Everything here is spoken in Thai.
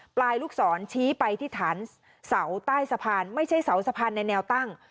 ลูกศรชี้ไปที่ฐานเสาใต้สะพานไม่ใช่เสาสะพานในแนวตั้ง